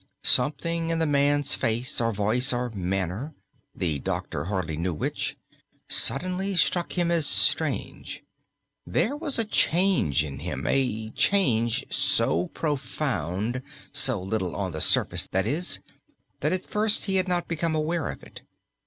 Something in the man's face, or voice, or manner the doctor hardly knew which suddenly struck him as strange. There was a change in him, a change so profound so little on the surface, that is that at first he had not become aware of it.